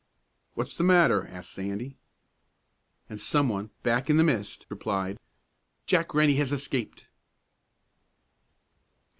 "What's the matter?" asked Sandy. And some one, back in the mist, replied, "Jack Rennie has escaped!"